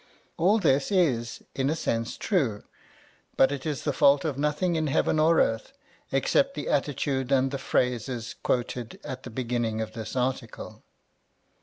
All this is, in a sense, true, but it is the fault of nothing in heaven or earth except the attitude and the phrases quoted at the beginning of this article.